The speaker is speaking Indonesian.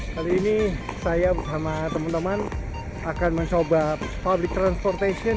kali ini saya bersama teman teman akan mencoba public transportation